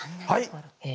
はい。